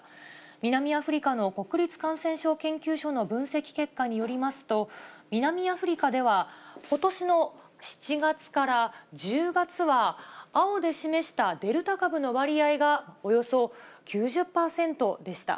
南アフリカの国立感染症研究所の分析結果によりますと、南アフリカではことしの７月から１０月は、青で示したデルタ株の割合がおよそ９０％でした。